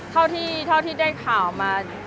เท่าที่ได้ข่าวมา